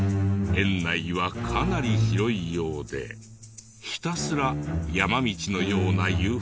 園内はかなり広いようでひたすら山道のような遊歩道が続く。